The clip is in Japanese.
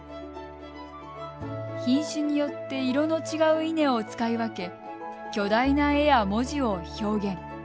品種によって色の違う稲を使い分け巨大な絵や文字を表現。